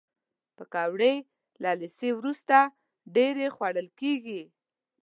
پکورې له لیسې وروسته ډېرې خوړل کېږي